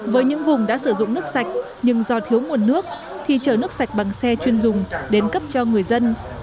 với những vùng đã sử dụng nước sạch nhưng do thiếu nguồn nước thì chở nước sạch bằng xe chuyên dùng đến cấp cho người dân